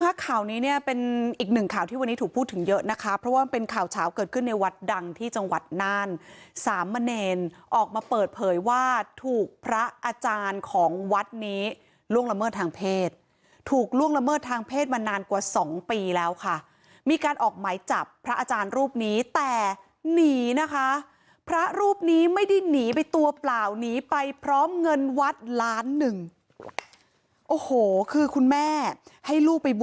ถ้าข่าวนี้เนี่ยเป็นอีกหนึ่งข่าวที่วันนี้ถูกพูดถึงเยอะนะคะเพราะว่าเป็นข่าวเฉล้าเกิดขึ้นในวัดดังที่จังหวัดนานสามเมรนดร์ออกมาเปิดเผยว่าถูกพระอาจารย์ของวัดนี้ล่วงละเมิดทางเพศถูกล่วงละเมิดทางเพศมานานกว่าสองปีแล้วค่ะมีการออกไหมจับพระอาจารย์รูปนี้แต่หนีนะคะพระรูปนี้ไม่ได้หนี